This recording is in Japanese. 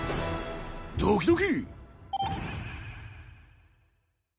ドキドキ。